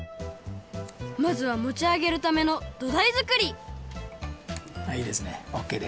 まずはもちあげるためのどだいづくりいいですねオッケーです。